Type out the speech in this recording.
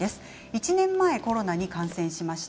１年前コロナに感染しました。